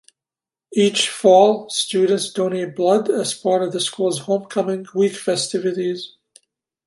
Each fall, students donate blood as part of the school's Homecoming week festivities.